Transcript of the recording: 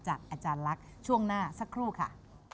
อาจารย์ลักษณ์ช่วงหน้าสักครู่ค่ะ